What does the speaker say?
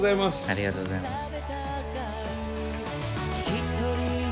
ありがとうございます。